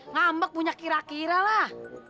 ngambek punya kira kira lah